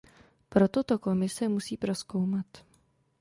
Proto to Komise musí prozkoumat.